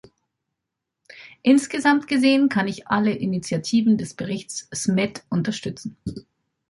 Insgesamt gesehen kann ich alle Initiativen des Berichts Smet unterstützen.